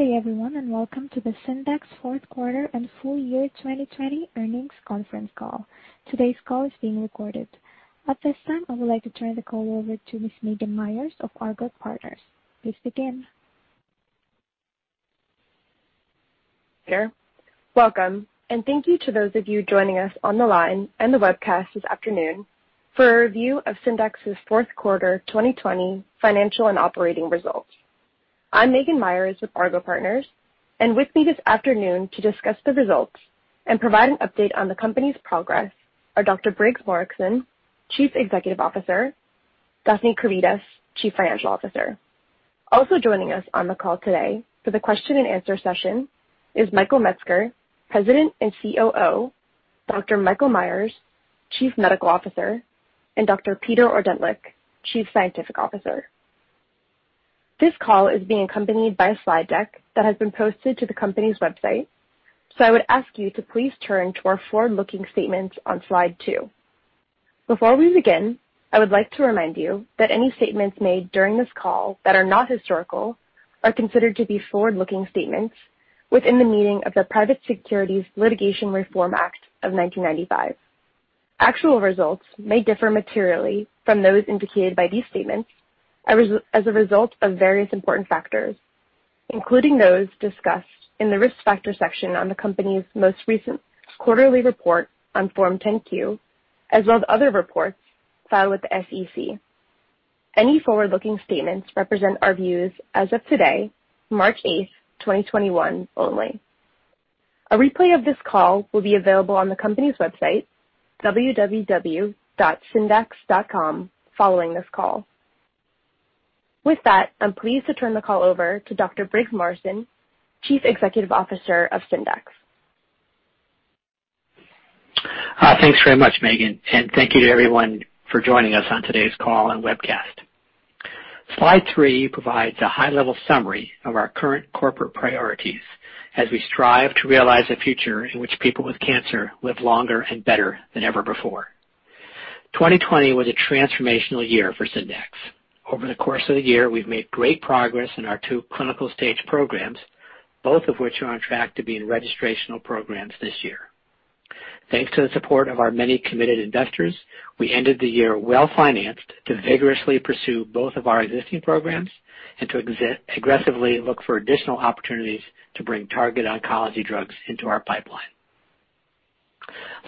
Good day everyone, welcome to the Syndax fourth quarter and full year 2020 earnings conference call. Today's call is being recorded. At this time, I would like to turn the call over to Ms. Meghan Meyers of Argot Partners. Please begin. Welcome, and thank you to those of you joining us on the line and the webcast this afternoon for a review of Syndax's fourth quarter 2020 financial and operating results. I'm Meghan Meyers with Argot Partners, with me this afternoon to discuss the results and provide an update on the company's progress are Dr. Briggs Morrison, Chief Executive Officer, Daphne Karydas, Chief Financial Officer. Also joining us on the call today for the question and answer session is Michael Metzger, President and COO, Dr. Michael Meyers, Chief Medical Officer, and Dr. Peter Ordentlich, Chief Scientific Officer. This call is being accompanied by a slide deck that has been posted to the company's website. I would ask you to please turn to our forward-looking statements on slide two. Before we begin, I would like to remind you that any statements made during this call that are not historical are considered to be forward-looking statements within the meaning of the Private Securities Litigation Reform Act of 1995. Actual results may differ materially from those indicated by these statements as a result of various important factors, including those discussed in the Risk Factor section on the company's most recent quarterly report on Form 10-Q, as well as other reports filed with the SEC. Any forward-looking statements represent our views as of today, March 8, 2021 only. A replay of this call will be available on the company's website, www.syndax.com, following this call. With that, I'm pleased to turn the call over to Dr. Briggs Morrison, Chief Executive Officer of Syndax. Thanks very much, Meghan, and thank you to everyone for joining us on today's call and webcast. Slide three provides a high-level summary of our current corporate priorities as we strive to realize a future in which people with cancer live longer and better than ever before. 2020 was a transformational year for Syndax. Over the course of the year, we've made great progress in our two clinical stage programs, both of which are on track to be in registrational programs this year. Thanks to the support of our many committed investors, we ended the year well-financed to vigorously pursue both of our existing programs and to aggressively look for additional opportunities to bring target oncology drugs into our pipeline.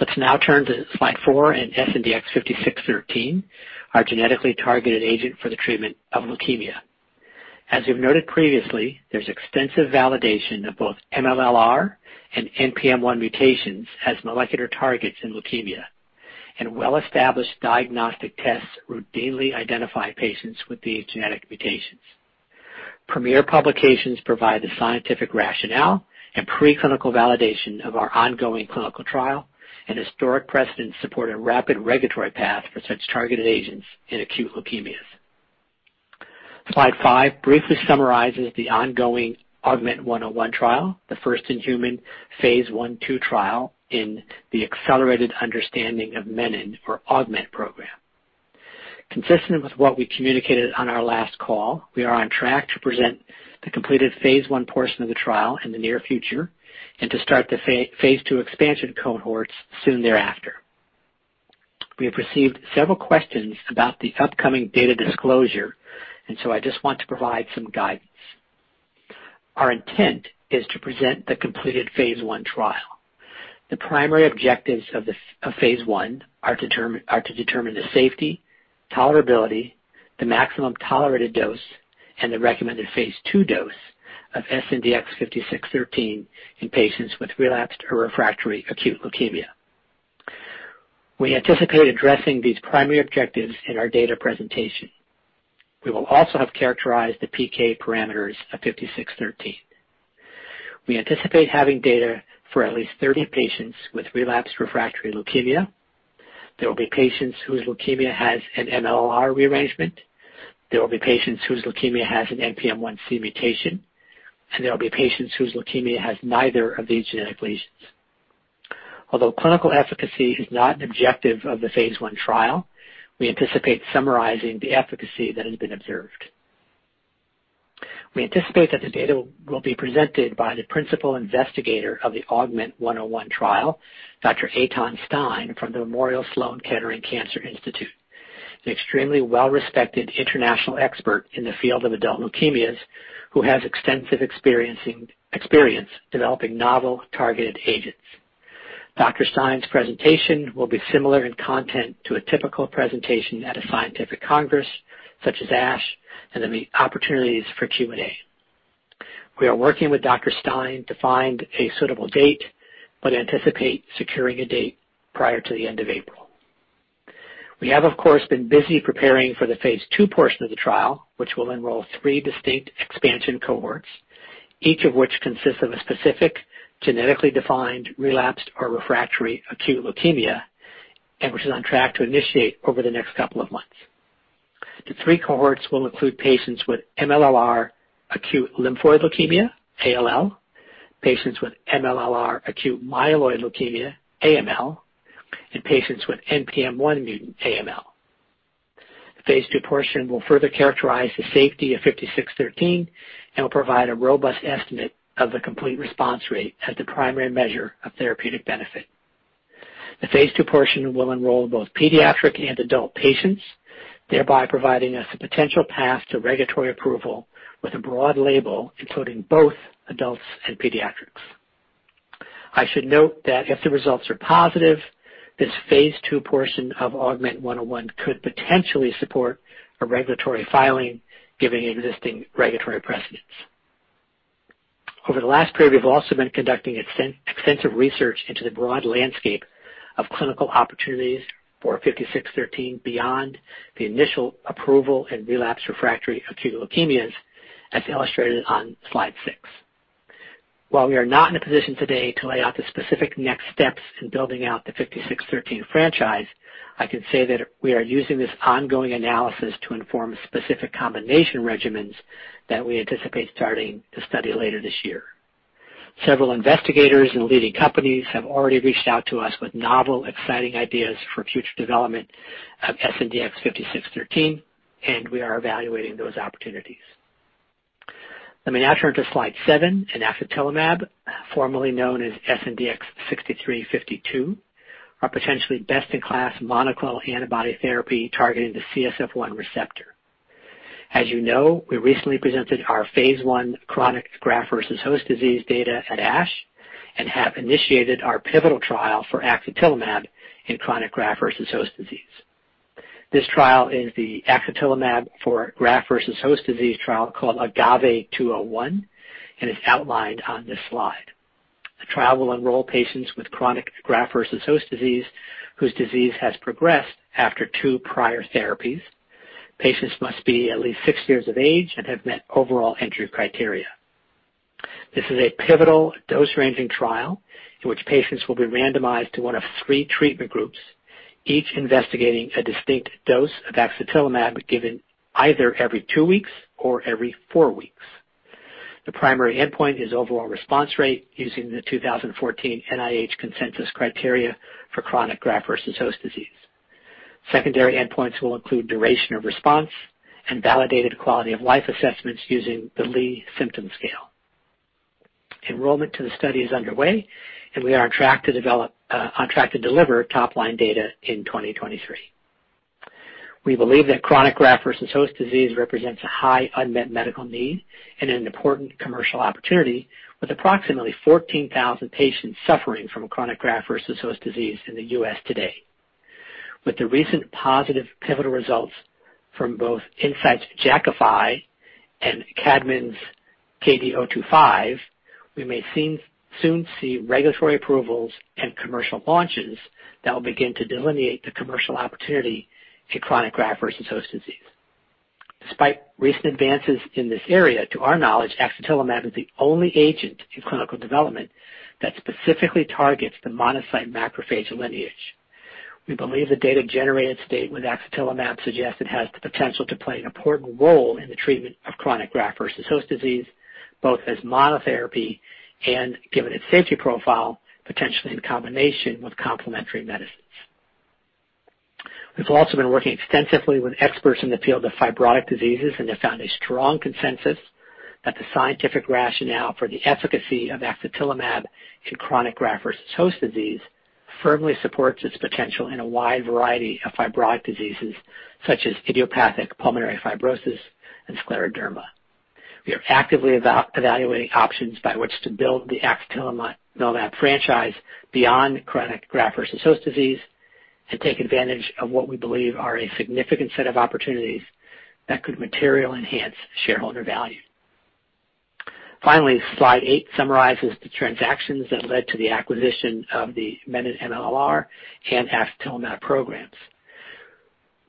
Let's now turn to slide four and SNDX-5613, our genetically targeted agent for the treatment of leukemia. As we've noted previously, there's extensive validation of both MLL-r and NPM1 mutations as molecular targets in leukemia, and well-established diagnostic tests routinely identify patients with these genetic mutations. Premiere publications provide the scientific rationale and pre-clinical validation of our ongoing clinical trial. Historic precedents support a rapid regulatory path for such targeted agents in acute leukemias. Slide five briefly summarizes the ongoing AUGMENT-101 trial, the first in human phase I/II trial in the Accelerated Understanding of Menin, or AUGMENT Program. Consistent with what we communicated on our last call, we are on track to present the completed phase I portion of the trial in the near future and to start the phase II expansion cohorts soon thereafter. We have received several questions about the upcoming data disclosure, I just want to provide some guidance. Our intent is to present the completed phase I trial. The primary objectives of phase I are to determine the safety, tolerability, the maximum tolerated dose, and the recommended phase II dose of SNDX-5613 in patients with relapsed or refractory acute leukemia. We anticipate addressing these primary objectives in our data presentation. We will also have characterized the PK parameters of SNDX-5613. We anticipate having data for at least 30 patients with relapsed refractory leukemia. There will be patients whose leukemia has an MLL-r rearrangement, there will be patients whose leukemia has an NPM1C mutation, and there will be patients whose leukemia has neither of these genetic lesions. Although clinical efficacy is not an objective of the phase I trial, we anticipate summarizing the efficacy that has been observed. We anticipate that the data will be presented by the principal investigator of the AUGMENT-101 trial, Dr. Eytan Stein from the Memorial Sloan Kettering Cancer Center Institute, an extremely well-respected international expert in the field of adult leukemias who has extensive experience developing novel targeted agents. Dr. Stein's presentation will be similar in content to a typical presentation at a scientific congress, such as ASH, and there'll be opportunities for Q&A. We are working with Dr. Stein to find a suitable date but anticipate securing a date prior to the end of April. We have, of course, been busy preparing for the phase II portion of the trial, which will enroll three distinct expansion cohorts, each of which consists of a specific genetically defined, relapsed or refractory acute leukemia, and which is on track to initiate over the next couple of months. The three cohorts will include patients with MLL-r acute lymphoid leukemia, ALL, patients with MLL-r acute myeloid leukemia, AML, and patients with NPM1 mutant AML. The phase II portion will further characterize the safety of SNDX-5613 and will provide a robust estimate of the complete response rate as the primary measure of therapeutic benefit. The Phase II portion will enroll both pediatric and adult patients, thereby providing us a potential path to regulatory approval with a broad label including both adults and pediatrics. I should note that if the results are positive, this phase II portion of AUGMENT-101 could potentially support a regulatory filing giving existing regulatory precedence. Over the last period, we've also been conducting extensive research into the broad landscape of clinical opportunities for SNDX-5613 beyond the initial approval in relapsed refractory acute leukemias, as illustrated on slide six. While we are not in a position today to lay out the specific next steps in building out the SNDX-5613 franchise, I can say that we are using this ongoing analysis to inform specific combination regimens that we anticipate starting to study later this year. Several investigators and leading companies have already reached out to us with novel, exciting ideas for future development of SNDX-5613, and we are evaluating those opportunities. Let me now turn to slide seven and axatilimab, formerly known as SNDX-6352, our potentially best-in-class monoclonal antibody therapy targeting the CSF1 receptor. As you know, we recently presented our phase I chronic graft-versus-host disease data at ASH and have initiated our pivotal trial for axatilimab in chronic graft-versus-host disease. This trial is the axatilimab for graft-versus-host disease trial called AGAVE-201 and is outlined on this slide. The trial will enroll patients with chronic graft-versus-host disease whose disease has progressed after two prior therapies. Patients must be at least six years of age and have met overall entry criteria. This is a pivotal dose ranging trial in which patients will be randomized to one of three treatment groups, each investigating a distinct dose of axatilimab given either every two weeks or every four weeks. The primary endpoint is overall response rate using the 2014 NIH consensus criteria for chronic graft-versus-host disease. Secondary endpoints will include duration of response and validated quality of life assessments using the Lee Symptom Scale. Enrollment to the study is underway. We are on track to deliver top-line data in 2023. We believe that chronic graft-versus-host disease represents a high unmet medical need and an important commercial opportunity with approximately 14,000 patients suffering from chronic graft-versus-host disease in the U.S. today. With the recent positive pivotal results from both Incyte's Jakafi and Kadmon's KD025, we may soon see regulatory approvals and commercial launches that will begin to delineate the commercial opportunity to chronic graft-versus-host disease. Despite recent advances in this area, to our knowledge, axatilimab is the only agent in clinical development that specifically targets the monocyte macrophage lineage. We believe the data generated to date with axatilimab suggests it has the potential to play an important role in the treatment of chronic graft-versus-host disease, both as monotherapy and, given its safety profile, potentially in combination with complementary medicines. We've also been working extensively with experts in the field of fibrotic diseases and have found a strong consensus that the scientific rationale for the efficacy of axatilimab in chronic graft-versus-host disease firmly supports its potential in a wide variety of fibrotic diseases such as idiopathic pulmonary fibrosis and scleroderma. We are actively evaluating options by which to build the axatilimab franchise beyond chronic graft-versus-host disease and take advantage of what we believe are a significant set of opportunities that could materially enhance shareholder value. Finally, slide eight summarizes the transactions that led to the acquisition of the menin MLL-r and axatilimab programs.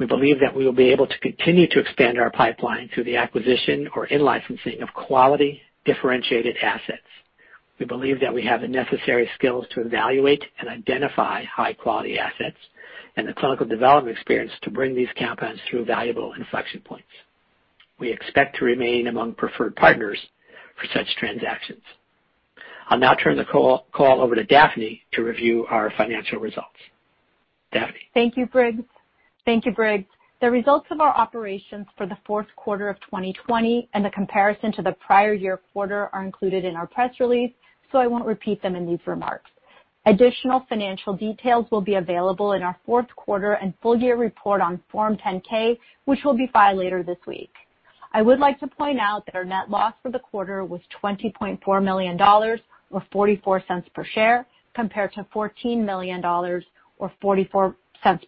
We believe that we will be able to continue to expand our pipeline through the acquisition or in-licensing of quality differentiated assets. We believe that we have the necessary skills to evaluate and identify high-quality assets and the clinical development experience to bring these compounds through valuable inflection points. We expect to remain among preferred partners for such transactions. I'll now turn the call over to Daphne to review our financial results. Daphne? Thank you, Briggs. The results of our operations for the fourth quarter of 2020 and the comparison to the prior year quarter are included in our press release, so I won't repeat them in these remarks. Additional financial details will be available in our fourth quarter and full year report on Form 10-K, which will be filed later this week. I would like to point out that our net loss for the quarter was $20.4 million, or $0.44 per share, compared to $14 million or $0.44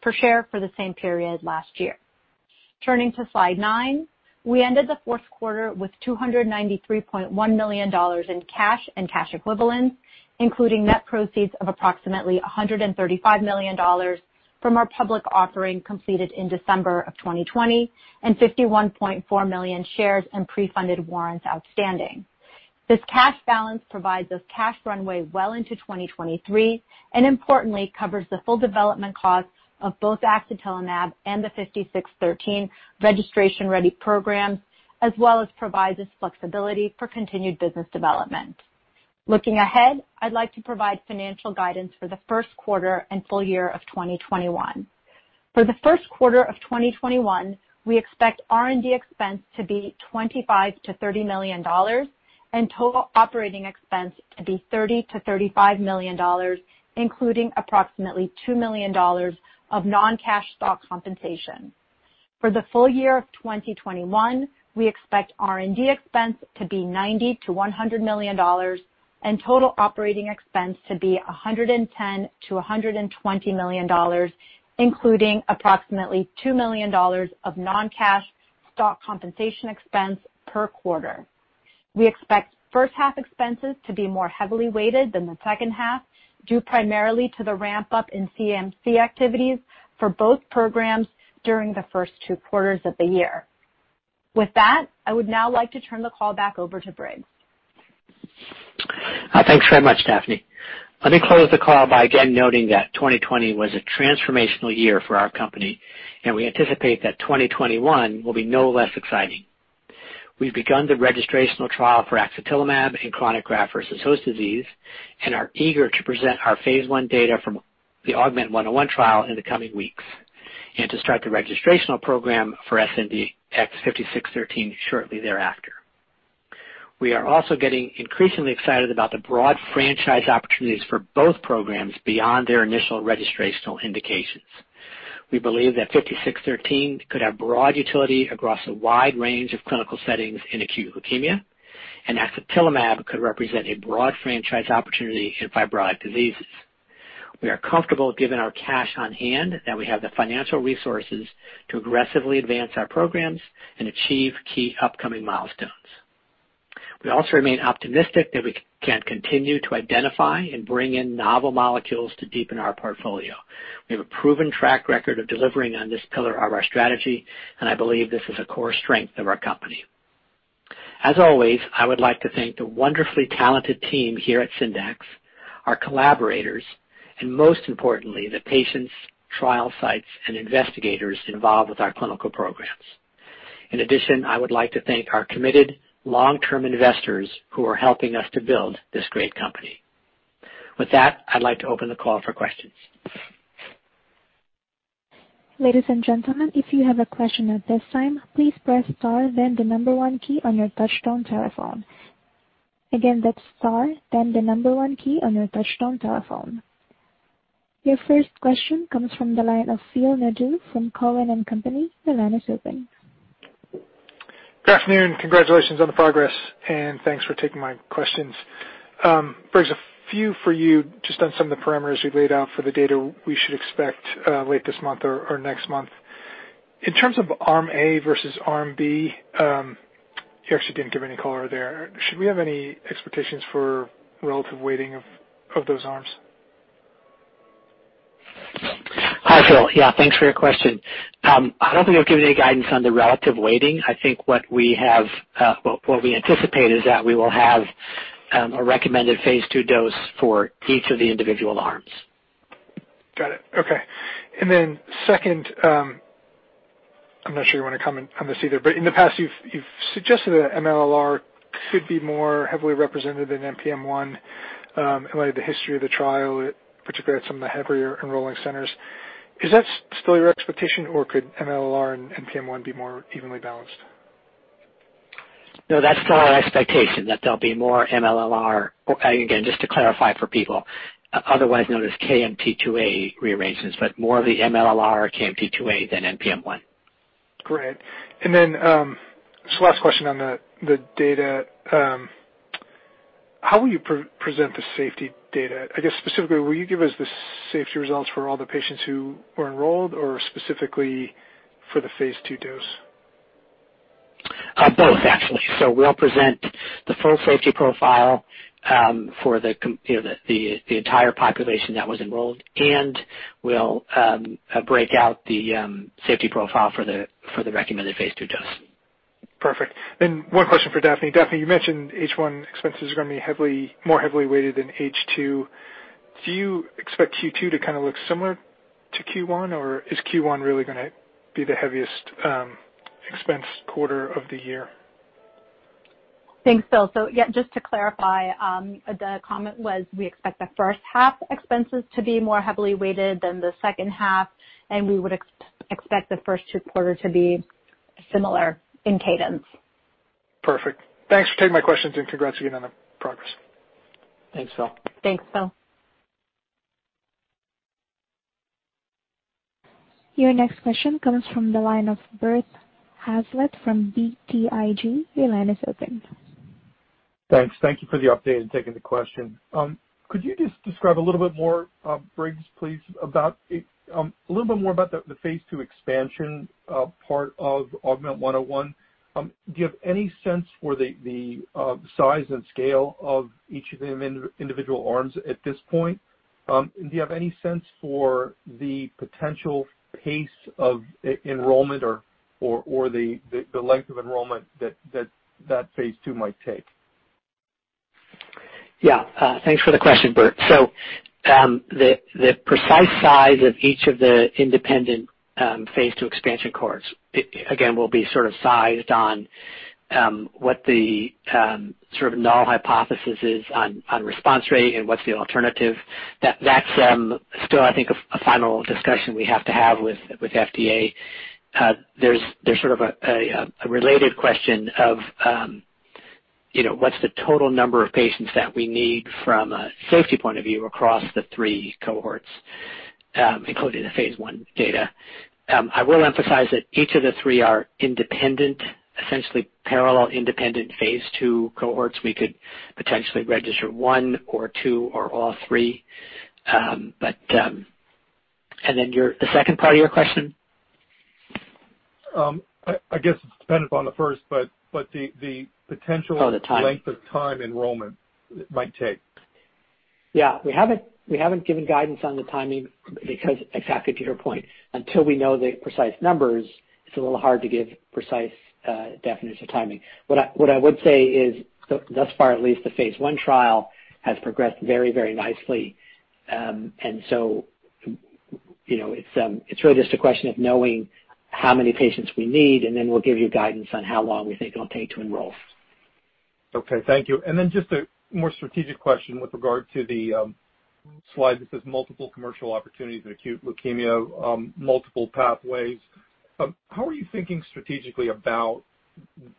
per share for the same period last year. Turning to slide nine. We ended the fourth quarter with $293.1 million in cash and cash equivalents, including net proceeds of approximately $135 million from our public offering completed in December of 2020 and 51.4 million shares and pre-funded warrants outstanding. This cash balance provides us cash runway well into 2023 and importantly covers the full development cost of both axatilimab and the SNDX-5613 registration ready programs, as well as provides us flexibility for continued business development. Looking ahead, I'd like to provide financial guidance for the first quarter and full year of 2021. For the first quarter of 2021, we expect R&D expense to be $25 million-$30 million, and total operating expense to be $30 million-$35 million, including approximately $2 million of non-cash stock compensation. For the full year of 2021, we expect R&D expense to be $90 million-$100 million, and total operating expense to be $110 million-$120 million, including approximately $2 million of non-cash stock compensation expense per quarter. We expect first half expenses to be more heavily weighted than the second half, due primarily to the ramp-up in CMC activities for both programs during the first two quarters of the year. With that, I would now like to turn the call back over to Briggs. Thanks very much, Daphne. Let me close the call by again noting that 2020 was a transformational year for our company, and we anticipate that 2021 will be no less exciting. We've begun the registrational trial for axatilimab in chronic graft-versus-host disease, and are eager to present our phase I data from the AUGMENT-101 trial in the coming weeks, and to start the registrational program for SNDX-5613 shortly thereafter. We are also getting increasingly excited about the broad franchise opportunities for both programs beyond their initial registrational indications. We believe that SNDX-5613 could have broad utility across a wide range of clinical settings in acute leukemia, and axatilimab could represent a broad franchise opportunity in fibrotic diseases. We are comfortable, given our cash on hand, that we have the financial resources to aggressively advance our programs and achieve key upcoming milestones. We also remain optimistic that we can continue to identify and bring in novel molecules to deepen our portfolio. We have a proven track record of delivering on this pillar of our strategy, and I believe this is a core strength of our company. As always, I would like to thank the wonderfully talented team here at Syndax, our collaborators, and most importantly, the patients, trial sites, and investigators involved with our clinical programs. In addition, I would like to thank our committed long-term investors who are helping us to build this great company. With that, I'd like to open the call for questions. Ladies and gentlemen, if you have a question at this time, please press star then the number one key on your touchtone telephone. Again, that's star then the number one key on your touchtone telephone. Your first question comes from the line of Phil Nadeau from Cowen and Company. Your line is open. Good afternoon. Congratulations on the progress, and thanks for taking my questions. Briggs, a few for you just on some of the parameters you've laid out for the data we should expect late this month or next month. In terms of arm A versus arm B, you actually didn't give any color there. Should we have any expectations for relative weighting of those arms? Hi, Phil. Yeah, thanks for your question. I don't think I've given any guidance on the relative weighting. I think what we anticipate is that we will have a recommended phase II dose for each of the individual arms. Got it. Okay. Second, I'm not sure you want to comment on this either, but in the past you've suggested that MLL-r could be more heavily represented in NPM1 in light of the history of the trial, particularly at some of the heavier enrolling centers. Is that still your expectation, or could MLL-r and NPM1 be more evenly balanced? No, that's still our expectation, that there'll be more MLL-r. Again, just to clarify for people, otherwise known as KMT2A rearrangements, but more of the MLL-r KMT2A than NPM1. Great. Just the last question on the data. How will you present the safety data? I guess specifically, will you give us the safety results for all the patients who were enrolled or specifically for the phase II dose? Both, actually. We'll present the full safety profile for the entire population that was enrolled, and we'll break out the safety profile for the recommended phase II dose. Perfect. One question for Daphne. Daphne, you mentioned H1 expenses are going to be more heavily weighted than H2. Do you expect Q2 to kind of look similar to Q1, or is Q1 really going to be the heaviest expense quarter of the year? Thanks, Phil. Yeah, just to clarify, the comment was we expect the first half expenses to be more heavily weighted than the second half, and we would expect the first two quarters to be similar in cadence. Perfect. Thanks for taking my questions, and congrats again on the progress. Thanks, Phil. Thanks, Phil. Your next question comes from the line of Bert Hazlett from BTIG. Your line is open. Thanks. Thank you for the update and taking the question. Could you just describe a little bit more, Briggs, please, about the phase II expansion part of AUGMENT-101? Do you have any sense for the size and scale of each of the individual arms at this point? Do you have any sense for the potential pace of enrollment or the length of enrollment that phase II might take? Yeah. Thanks for the question, Bert. The precise size of each of the independent phase II expansion cohorts, again, will be sort of sized on what the sort of null hypothesis is on response rate and what's the alternative. That's still, I think, a final discussion we have to have with FDA. There's sort of a related question of what's the total number of patients that we need from a safety point of view across the three cohorts, including the phase I data. I will emphasize that each of the three are independent, essentially parallel independent phase II cohorts. We could potentially register one or two or all three. Then the second part of your question? I guess it depends upon the first, but the potential. Oh, the time. Length of time enrollment might take. Yeah. We haven't given guidance on the timing because, exactly to your point, until we know the precise numbers, it's a little hard to give precise definition of timing. What I would say is, thus far, at least the phase I trial has progressed very nicely. It's really just a question of knowing how many patients we need, and then we'll give you guidance on how long we think it'll take to enroll. Okay, thank you. Just a more strategic question with regard to the slide that says multiple commercial opportunities in acute leukemia, multiple pathways. How are you thinking strategically about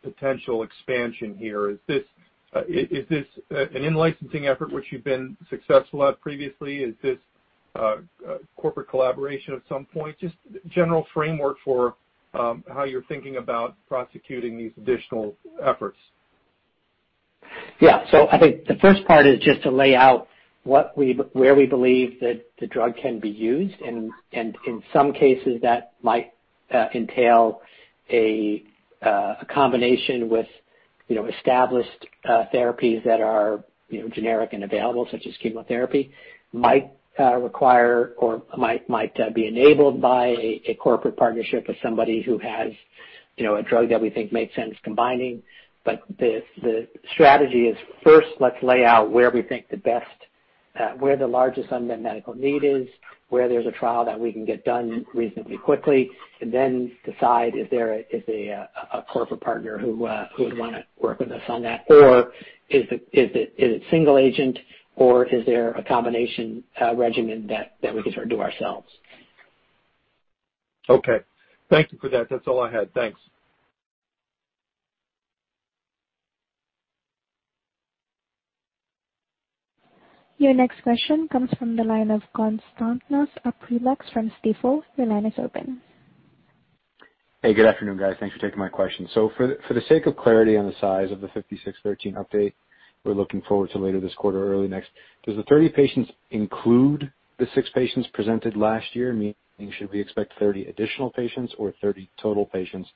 potential expansion here? Is this an in-licensing effort which you've been successful at previously? Is this corporate collaboration at some point? Just general framework for how you're thinking about prosecuting these additional efforts. I think the first part is just to lay out where we believe that the drug can be used, and in some cases, that might entail a combination with established therapies that are generic and available, such as chemotherapy. Might require or might be enabled by a corporate partnership with somebody who has a drug that we think makes sense combining. The strategy is first, let's lay out where we think the best, where the largest unmet medical need is, where there's a trial that we can get done reasonably quickly, and then decide if there is a corporate partner who would want to work with us on that, or is it single agent or is there a combination regimen that we can do ourselves. Okay. Thank you for that. That's all I had. Thanks. Your next question comes from the line of Konstantinos Aprilakis from Stifel. Your line is open. Hey, good afternoon, guys. Thanks for taking my question. For the sake of clarity on the size of the SNDX-5613 update, we're looking forward to later this quarter or early next. Does the 30 patients include the six patients presented last year? Meaning, should we expect 30 additional patients or 30 total patients?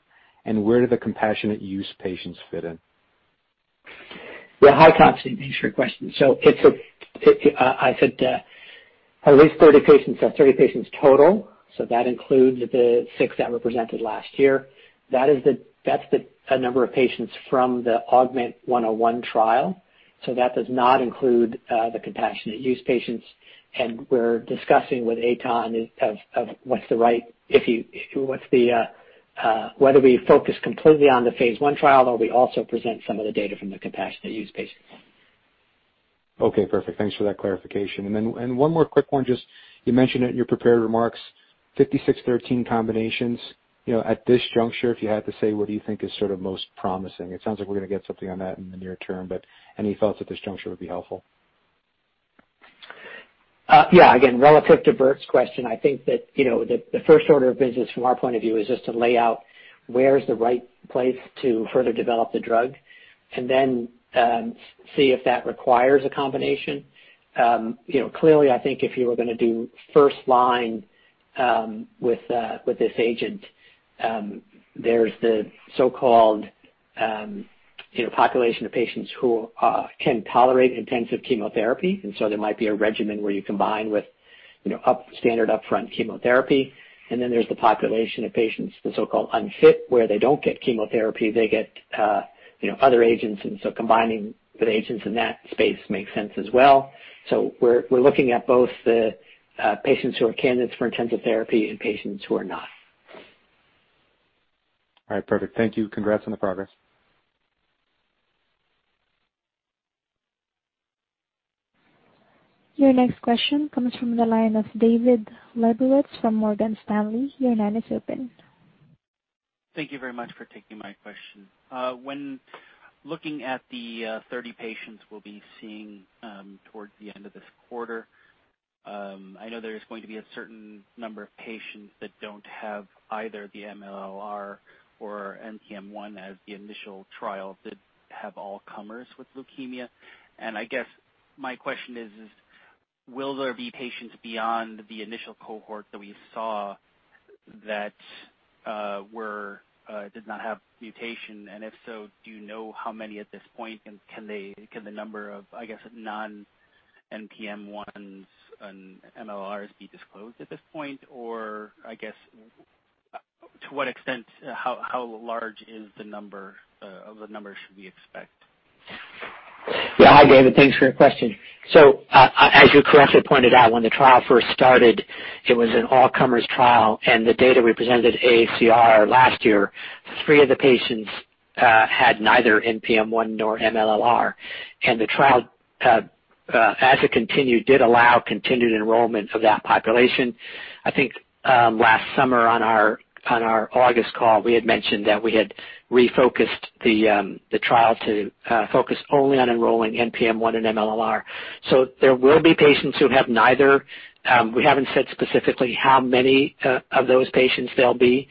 Where do the compassionate use patients fit in? Hi, Kon. Thanks for your question. I said at least 30 patients. That's 30 patients total. That includes the six that were presented last year. That's the number of patients from the AUGMENT-101 trial. That does not include the compassionate use patients. We're discussing with Eytan whether we focus completely on the phase I trial, or we also present some of the data from the compassionate use patients. Okay, perfect. Thanks for that clarification. One more quick one, just you mentioned it in your prepared remarks SNDX-5613 combinations. At this juncture, if you had to say, what do you think is sort of most promising? It sounds like we're going to get something on that in the near term, but any thoughts at this juncture would be helpful. Relative to Bert's question, I think that the first order of business from our point of view is just to lay out where is the right place to further develop the drug and then see if that requires a combination. Clearly, I think if you were going to do first line with this agent, there's the so-called population of patients who can tolerate intensive chemotherapy. There might be a regimen where you combine with standard upfront chemotherapy. There's the population of patients, the so-called unfit, where they don't get chemotherapy, they get other agents. Combining with agents in that space makes sense as well. We're looking at both the patients who are candidates for intensive therapy and patients who are not. All right. Perfect. Thank you. Congrats on the progress. Your next question comes from the line of David Lebowitz from Morgan Stanley. Your line is open. Thank you very much for taking my question. When looking at the 30 patients we'll be seeing towards the end of this quarter, I know there's going to be a certain number of patients that don't have either the MLL-r or NPM1 as the initial trial did have all comers with leukemia. I guess my question is, will there be patients beyond the initial cohort that we saw that did not have mutation? If so, do you know how many at this point? Can the number of, I guess, non-NPM1s and MLL-r be disclosed at this point? I guess, to what extent, how large is the number of the numbers should we expect? Hi, David. Thanks for your question. As you correctly pointed out, when the trial first started, it was an all-comers trial, and the data we presented at AACR last year, three of the patients had neither NPM1 nor MLL-r. The trial, as it continued, did allow continued enrollment of that population. I think, last summer on our August call, we had mentioned that we had refocused the trial to focus only on enrolling NPM1 and MLL-r. There will be patients who have neither. We haven't said specifically how many of those patients there'll be.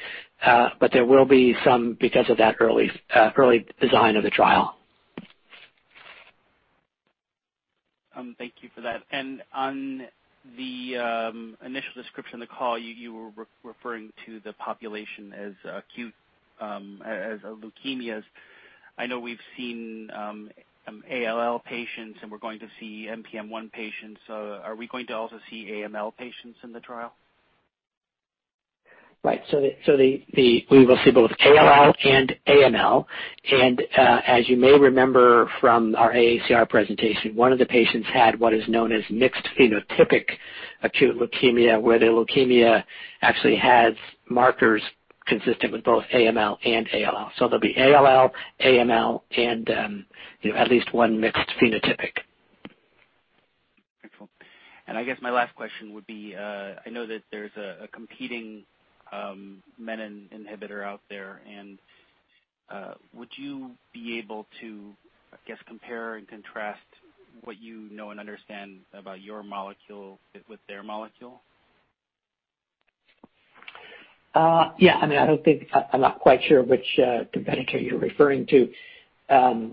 There will be some because of that early design of the trial. Thank you for that. On the initial description of the call, you were referring to the population as acute leukemias. I know we've seen ALL patients, and we're going to see NPM1 patients. Are we going to also see AML patients in the trial? Right. We will see both ALL and AML. As you may remember from our AACR presentation, one of the patients had what is known as mixed-phenotype acute leukemia, where their leukemia actually has markers consistent with both AML and ALL. There'll be ALL, AML, and at least one mixed phenotypic. Excellent. I guess my last question would be, I know that there's a competing menin inhibitor out there. Would you be able to, I guess, compare and contrast what you know and understand about your molecule with their molecule? Yeah. I'm not quite sure which competitor you're referring to. I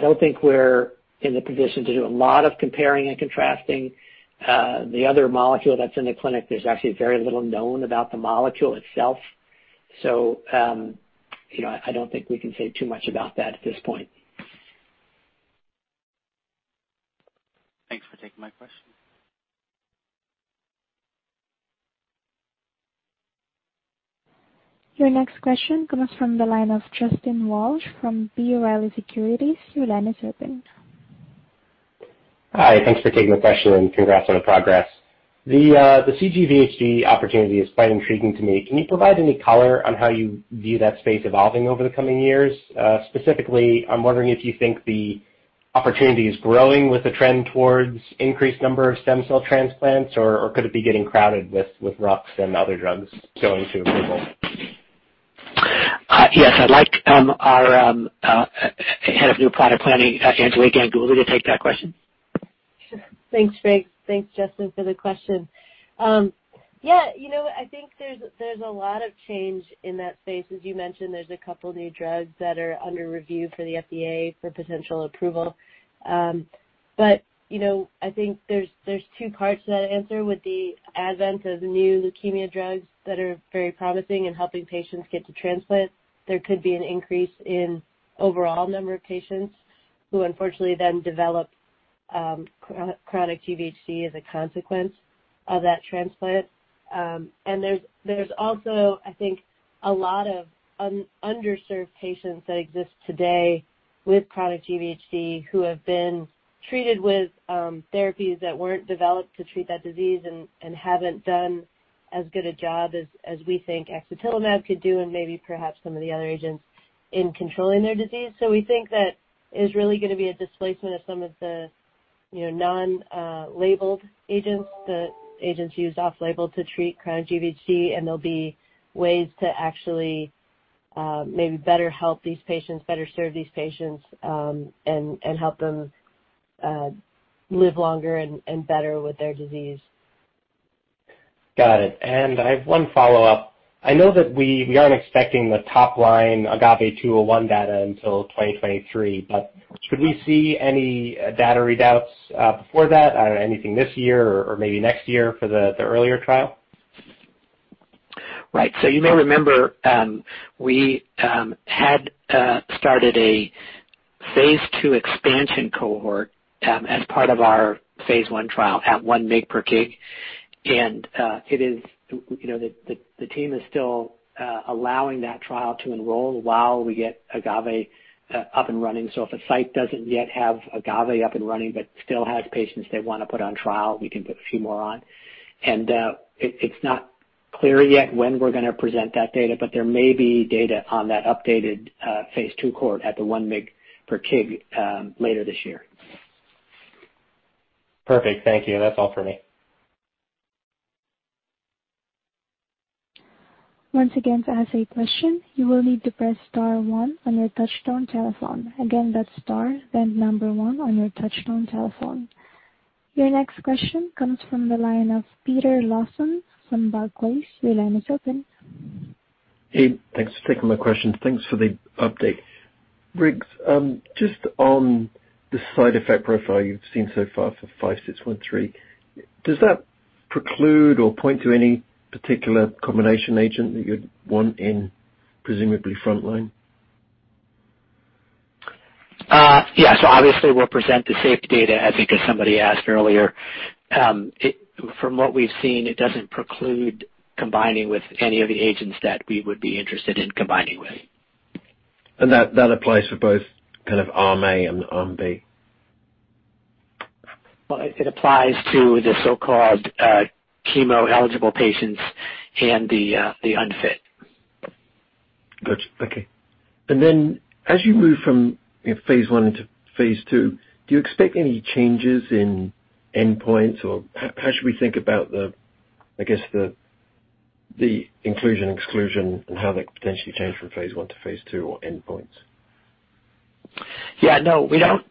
don't think we're in the position to do a lot of comparing and contrasting. The other molecule that's in the clinic, there's actually very little known about the molecule itself. I don't think we can say too much about that at this point. Thanks for taking my question. Your next question comes from the line of Justin Walsh from B. Riley Securities. Your line is open. Hi. Thanks for taking my question, and congrats on the progress. The cGVHD opportunity is quite intriguing to me. Can you provide any color on how you view that space evolving over the coming years? Specifically, I'm wondering if you think the opportunity is growing with the trend towards increased number of stem cell transplants, or could it be getting crowded with ruxolitinib and other drugs going through approval? Yes, I'd like our head of new product planning, Anjali Ganguli, to take that question. Sure. Thanks, Briggs. Thanks, Justin, for the question. Yeah, I think there's a lot of change in that space. As you mentioned, there's a couple new drugs that are under review for the FDA for potential approval. I think there's two parts to that answer. With the advent of new leukemia drugs that are very promising in helping patients get to transplant, there could be an increase in overall number of patients who unfortunately then develop chronic GVHD as a consequence of that transplant. There's also, I think, a lot of underserved patients that exist today with chronic GVHD who have been treated with therapies that weren't developed to treat that disease and haven't done as good a job as we think axatilimab could do and maybe perhaps some of the other agents in controlling their disease. We think that there's really gonna be a displacement of some of the non-labeled agents, the agents used off-label to treat chronic GVHD, and there'll be ways to actually maybe better help these patients, better serve these patients, and help them live longer and better with their disease. Got it. I have one follow-up. I know that we aren't expecting the top line AGAVE-201 data until 2023, could we see any data readouts before that? I don't know, anything this year or maybe next year for the earlier trial? Right. You may remember, we had started a phase II expansion cohort as part of our phase I trial at 1 mg per kg. The team is still allowing that trial to enroll while we get AGAVE up and running. If a site doesn't yet have AGAVE up and running but still has patients they wanna put on trial, we can put a few more on. It's not clear yet when we're gonna present that data, but there may be data on that updated phase II cohort at the 1 mg per kg later this year. Perfect. Thank you. That's all for me. Once again, to ask a question, you will need to press star one on your touchtone telephone. Again, that's star then number one on your touchtone telephone. Your next question comes from the line of Peter Lawson from Barclays. Your line is open. Hey, thanks for taking my question. Thanks for the update. Briggs, just on the side effect profile you've seen so far for SNDX-5613, does that preclude or point to any particular combination agent that you'd want in presumably frontline? Yeah. Obviously we'll present the safety data, I think as somebody asked earlier. From what we've seen, it doesn't preclude combining with any of the agents that we would be interested in combining with. That applies for both kind of Arm A and Arm B? Well, it applies to the so-called chemo-eligible patients and the unfit. Got you. Okay. As you move from phase I into phase II, do you expect any changes in endpoints? How should we think about the inclusion/exclusion and how that could potentially change from phase I to phase II or endpoints? Yeah, no, we don't.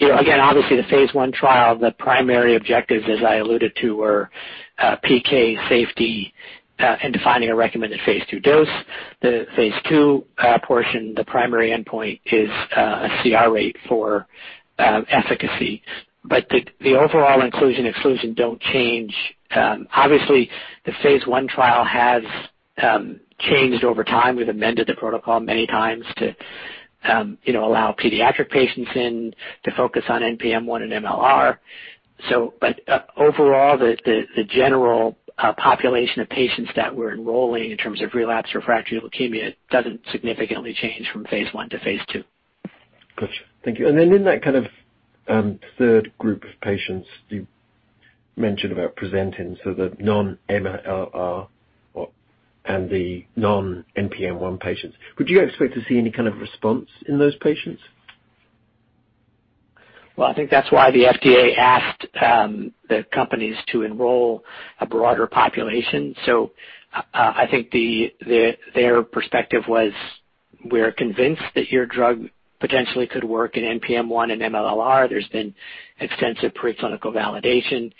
Obviously the phase I trial, the primary objectives as I alluded to, were PK safety, and defining a recommended phase II dose. The phase II portion, the primary endpoint is a CR rate for efficacy. The overall inclusion/exclusion don't change. Obviously, the phase I trial has changed over time. We've amended the protocol many times to allow pediatric patients in, to focus on NPM1 and MLL-r. Overall, the general population of patients that we're enrolling in terms of relapse refractory leukemia doesn't significantly change from phase I to phase II. Got you. Thank you. Then in that kind of third group of patients you mentioned about presenting, so the non-MLL-r and the non-NPM1 patients, would you expect to see any kind of response in those patients? I think that's why the FDA asked the companies to enroll a broader population. I think their perspective was, "We're convinced that your drug potentially could work in NPM1 and MLL-r. There's been extensive preclinical validation.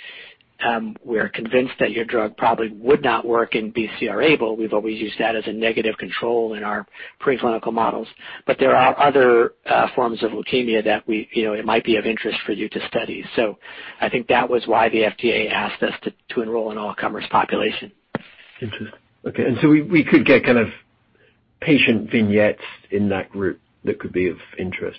We're convinced that your drug probably would not work in BCR-ABL. We've always used that as a negative control in our preclinical models. There are other forms of leukemia that it might be of interest for you to study." I think that was why the FDA asked us to enroll an all-comers population. Interesting. Okay. We could get kind of patient vignettes in that group that could be of interest?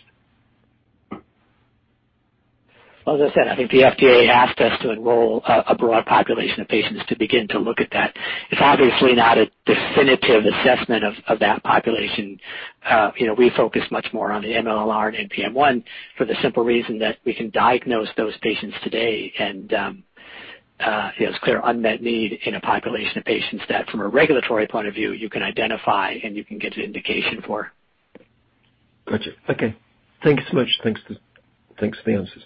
As I said, I think the FDA asked us to enroll a broad population of patients to begin to look at that. It's obviously not a definitive assessment of that population. We focus much more on the MLL-r and NPM1 for the simple reason that we can diagnose those patients today. There's clear unmet need in a population of patients that from a regulatory point of view, you can identify and you can get an indication for. Got you. Okay. Thank you so much. Thanks for the answers.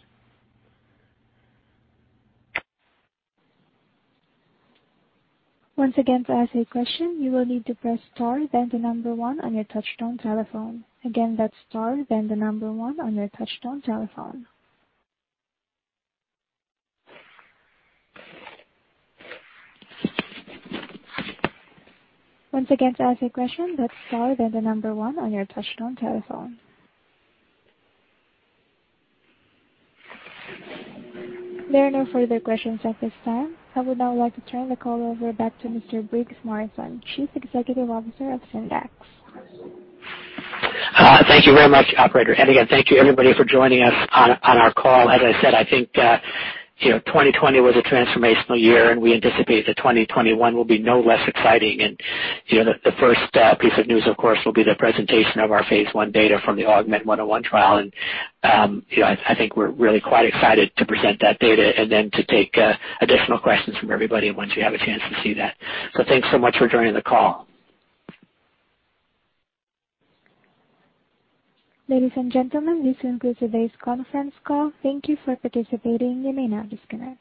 Once again, to ask a question, you will need to press star then the number one on your touchtone telephone. Again, that's star then the number one on your touchtone telephone. Once again, to ask a question, that's star then the number one on your touchtone telephone. There are no further questions at this time. I would now like to turn the call over back to Mr. Briggs Morrison, Chief Executive Officer of Syndax. Thank you very much, operator. Again, thank you everybody for joining us on our call. As I said, I think 2020 was a transformational year, and we anticipate that 2021 will be no less exciting. The first piece of news, of course, will be the presentation of our phase I data from the AUGMENT-101 trial. I think we're really quite excited to present that data and then to take additional questions from everybody once you have a chance to see that. Thanks so much for joining the call. Ladies and gentlemen, this concludes today's conference call. Thank you for participating. You may now disconnect.